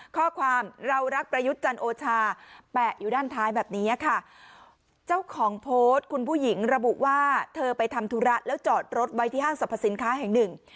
ข้อความเรารักประยุทธ์จันทร์โอชาแปะอยู่ด้านท้ายแบบนี้ค่ะเจ้าของโพสต์คุณผู้หญิงระบุว่าเธอไปทำธุระแล้วจอดรถไว้ที่ห้างสรรพสินค้าแห่งหนึ่ง